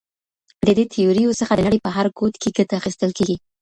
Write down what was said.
د دې تيوريو څخه د نړۍ په هر ګوټ کې ګټه اخيستل کېږي.